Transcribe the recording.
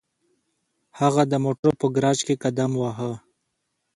هغه د موټرو په ګراج کې قدم واهه